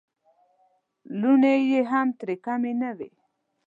لورانې یې هم ترې کمې نه وې.